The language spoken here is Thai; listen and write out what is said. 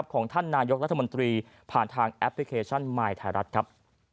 ของท่านนายกรัฐมนตรีผ่านทางแอปพลิเคชันมายไทยรัฐครับ